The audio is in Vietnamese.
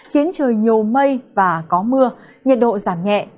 khiến trời nhiều mây và có mưa nhiệt độ giảm nhẹ